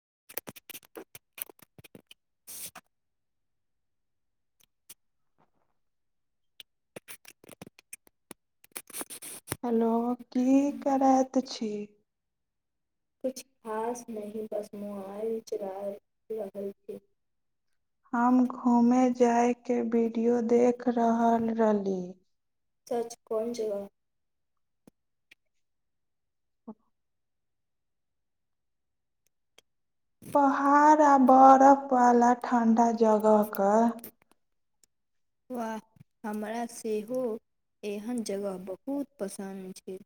[inaudible] hello की किछु करैत छी खास नहि बस मु [inaudible] म चढ़ रहल छै [inaudible] हम घूमे जायके वीडियो देख रहल रहली सच कोन जगह पहाड़ आ बरफवला ठण्डा जगहके वाह हमरा सेहो एहन जगह बहुत पसन्द छै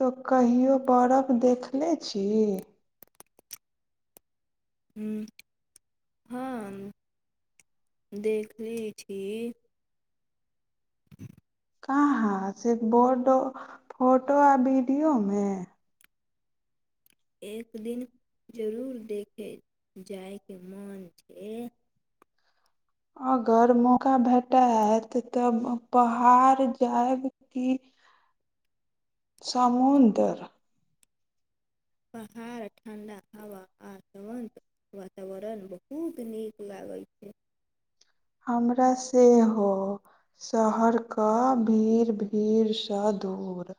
तो कहियो बरफ देखनेे छी हम हाँ, देखले छी कहाँ सिर्फ बोर्डो फोटो आ वीडियोमे एक दिन जरूर देखे जायके मोन छै अगर मौका भेटाआत तऽ पहाड़ जायब की समुद्र पहाड़ ठण्डा हवा आ तुरन्त वातावरण बहुत नीक लागै छै हमरा सेहो शहरके भीड़ भीड़सँ दूर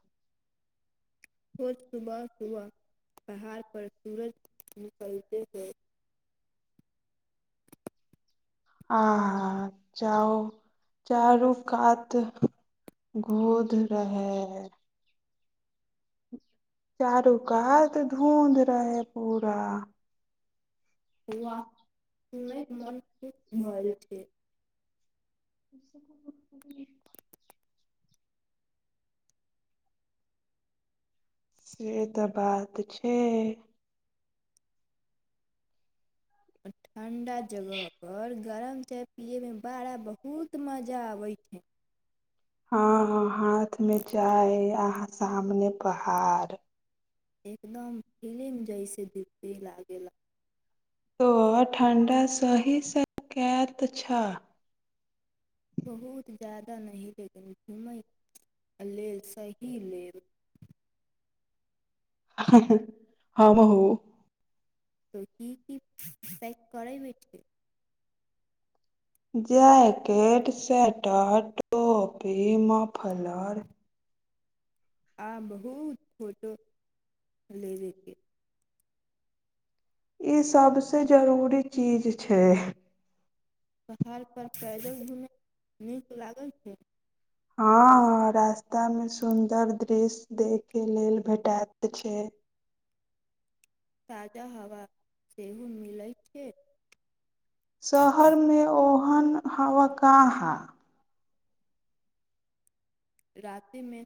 [inaudible] सुबह सुबह पहाड़ पर सूरज निकलते हे [inaudible] [inaudible] आहा चउ चारू कात घूद रहै [inaudible] चारू कात धूँध रहै पूरा वाह सुनयैत मोन खुश भ जाय छै क ब [inaudible] से तऽ बात छै ठंडा जगह पर गरम चाय पिये मे बड़ा बहुत मजा आबे छै हँ ह हाथ मे चाय आ सामने पहाड़ एकदम फिल्म जइसे दिखे ला गेला तऽ ठण्डा सही सकैत छ बहुत ज्यादा नहि लेकनि घूमय लेल सही लेल [inaudible] हम हो तऽ की की पैक करै बैठे जैकेट सेटर टॉपी मफलर आ बहुत फोटो लेबयके ई सभसे जरूरी चीज छै पहाड़पर पैदल घूमय नीक लागल छै हँ रास्तामे सुन्दर दृश्य देखे लेल भेटाइत छै ताजा हवा सेहु मिलैत छै शहरमे ओ ओन हवा काहां रातेमे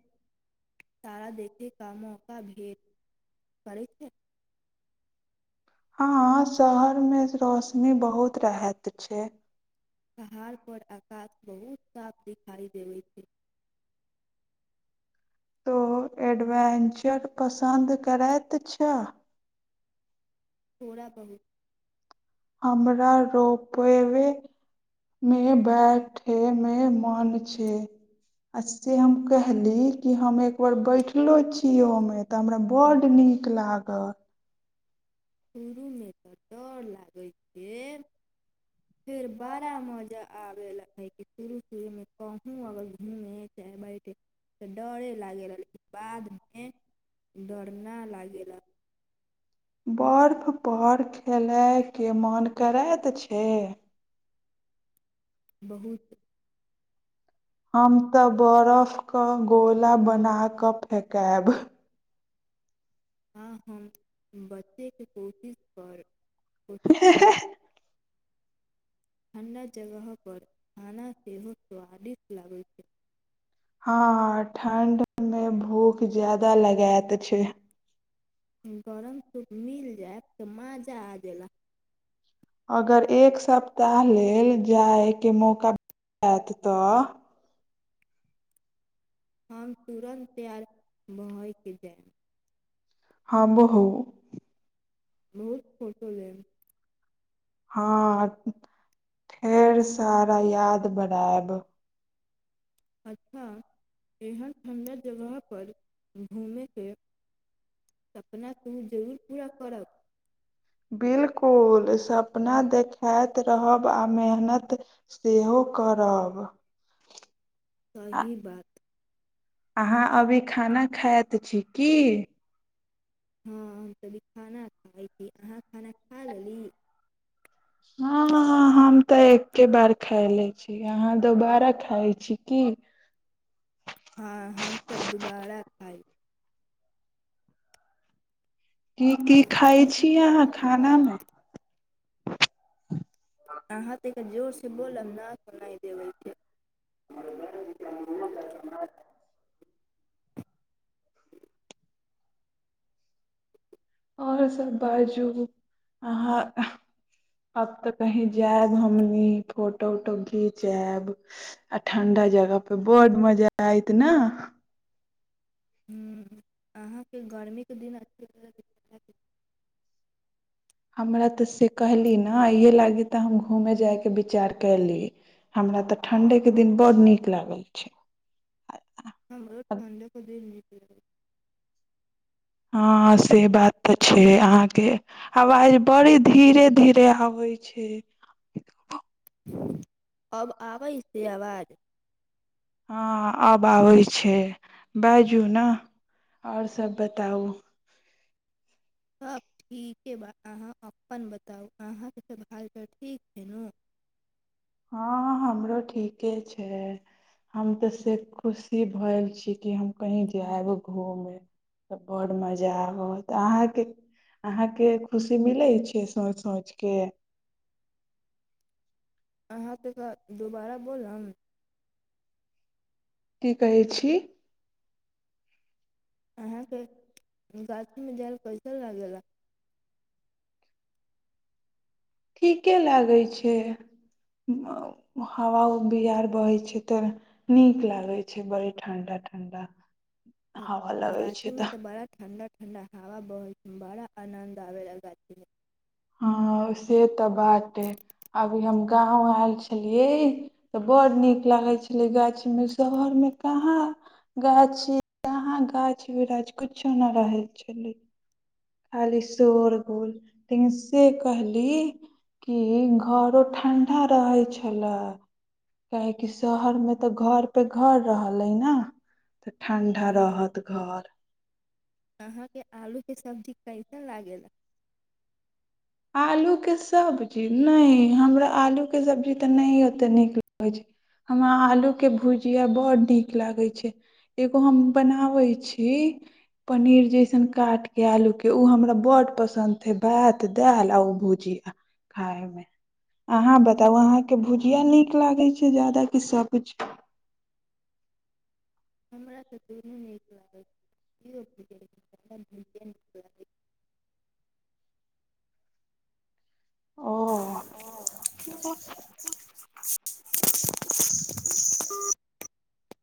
तारा देखै का मौका भेट पड़ै छै हँ शहरमे रोशनी बहुत रहैत छै पहाड़ पर आकाश बहुत साफ दिखाई देब छै तो एडवेंचर पसन्द करैत छह थोड़ा बहुत हमरा रोपेव मे बैठेमे मन छै आ से हम कहली कि हम एकबार बैठलो छियो ओमे तऽ हमरा बड्ड नीक लागल शुरूमे तऽ डर लागै छै फेर बारा मजा आबे ला है कि शुरू शुरूमे कहूँ अगर घूमे चाहे बैठे त डरे लागे ला लेकिन बादमे डर ना लागे ला बर्फ पर खेलयके मोन करैत छै बहुत हम त बरफके गोला बना क फेकायब आ हम बच्चय के कोशिश करब पुतपलब [inaudible] ठण्डा जगह पर खाना सेहो स्वादिष्ट लागै छै हाँ हाँ ठण्ड मे भूख ज्यादा लगायत छै गरम सूप मिल जायब त माजा आ जायला अगर एक सप्ताह लेल जायके मौका - जायत त हम तुरन्त तैयार भयके जायब हाँ बो हो [inaudible] बहुत फोटो लेब हाँ ढेर सारा याद बनायब अच्छा एहन ठंडा जगह पर घुमेंके सपना तु जरूर पूरा करब बिल्कुल स्वप्ना देखायत रहब आ मेहनत सेहो करब आ सही बात अहाँ अभी खाना खाइत छी की हाँ हम त अभी खाना खाइ छी अहाँ खाना खा लेली हाँ हाँ हाँ हम त एक्के बार खाय ले छी अहाँ दोबारा खाइ छी की हाँ हम त दुबारा खाइ की की खाइ छी अहाँ खानामे अहाँ ते के जोर से बोलब ना सुना देबै [inaudible] आओर सभ बाजू अहाँ आब त कहीं जायब हमनी फोटो उटो घींचआयब आ ठंडा जगहपे बहुत मजा आयत ने हूँ अहाँके गरमीके दिन अच्छा ल [unintelligible] हमरा तऽ से कहली ने आइए लागी तऽ हम घूमय जायके विचार कयली हमरा तऽ ठण्ढेके दिन बड्ड नीक लागल छै हमरो ठण्डे के दिन नीक हू [inaudible] हँ से बात तऽ छै अहाँके आवाज बड़ी धीरे धीरे आबै छै अब आबै से आवाज हँ आब आबै छै बाजू ने आओर सभ बताउ सभब ठीक बा अहाँ अपन बताउ अहाँके सभ हाल चाल ठीक छै नू हँ हमरो ठीके छै हम तऽ से खुशी भेल छी कि हम कहीँ जायब घूमे तऽ बड्ड मजा आबत अहाँके अहाँके खुशी मिलै छै सोंच सोंच कऽ अहाँ तऽ एक बार दुबारा बोलब की कहै छी अहाँके गाछीमे जायल कैसन ला गे ला ठीके लागै छै हवा उ बिआार बहै छै तऽ नीक लागै छै बड़ी ठण्डा ठण्डा हवा लगै छै गाछी तऽ मे त बड़ा ठण्डा ठंडा हावा बहल बड़ा आनन्द आवेला गाछी मे हँ से तऽ बात अइ अभी हम गाँव आयल छलियै तऽ बड़ नीक लागै छलै गाछीमे शहरमे कहाँ गाछी कहाँ गाछ बृछ कुछो नहि रहै छलै खाली शोर गुल लेकिन से कहली कि घरो ठण्ढा रहै छलै काहेकि शहरमे तऽ घर पे घर रहलै ने तऽ ठंडा रहत घर अहाँके आलूके सब्जी कैसन ला गे ला आलूके सब्जी नहि हमरा आलूके सब्जी तऽ नहि ओतेक नीक लगै छै हमरा आलूके भुजिया बड्ड नीक लागै छै एगो हम बनाबैत छी पनीर जैसन काटि कऽ आलूके ओ हमरा बड्ड पसन्द हे बढ़ दाल आओर भुजिया खाय मे अहाँ बताउ अहाँ के भुजिया नीक लागे छै ज्यादा की सब्जी हमरा त दुनू नीक लागै छै [inaudible] ओ [inaudible]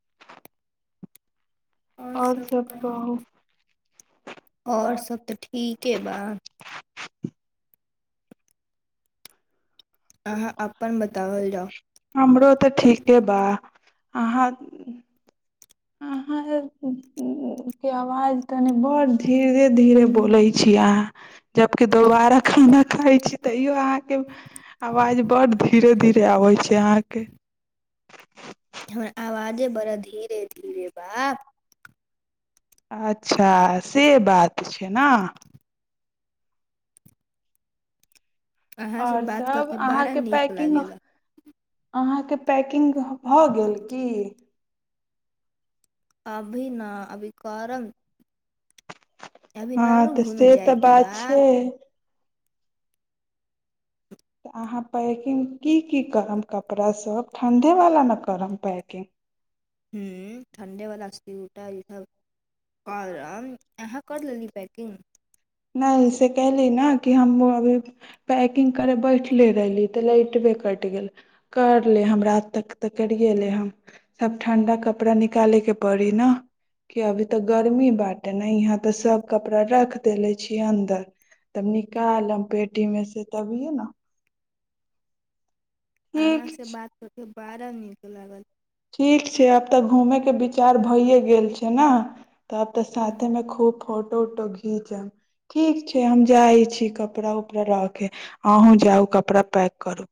आओर सब कहु आओर सब तऽ ठीके बा अहाँ अपनन बताओल जाउ आहाँ अहाँ ए के आवाज तनि बड्ड धीरे धीरे बोलै छियै अहाँ जबकि दोबारा खाना खाइ छी तैयो अहाँके आवाज बड्ड धीरे धीरे आबै छै अहाँके हमर आवाजे बड़ा धीरे धीरे बा अच्छा से बात छै ने अहाँसँ आओर बात सब करके बड़ा अहाँके नीक पैकिंग लागेला अहाँ के पैकिंग भऽ गेल की अभी न अभी करब हँ तऽ घूमे से तऽ जाएके बात बा छै तऽ अहाँ पैकिंग की की करब कपड़ासभ ठण्ढेवला ने करब पैकिंग हूँ ठण्डे वाला स्वेटर ईसभ करब अहाँ कर लेली पैकिंग नहि से कली ने कि हम अभी पैकिंग करे बैठले रहली तऽ लाइटबे कटि गेल कर ले हम रात तक तऽ करियए ले हम सभ ठण्डा कपड़ा निकालयके पड़ी ने कि अभी तऽ गर्मी बाटे ने यहाँ तऽ सभ कपड़ा रख देले छियै अन्दर तब निकालब पेटी मे से तभिये ने अहाँ ठीक से छै बात हो बारा नीक लागल ठीक छै आब तऽ घूमेके विचार भइए गेल छै ने तऽ आब त हूँ साथे मे खूब फोटो उटो घीचब ठीक छै हम जाइ छी कपड़ा उपड़ा रके अहूँ जाउ कपड़ा पैक करू